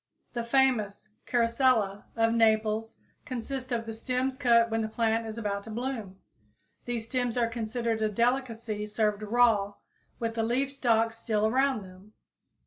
The famous "Carosella" of Naples consists of the stems cut when the plant is about to bloom. These stems are considered a great delicacy served raw with the leaf stalks still around them.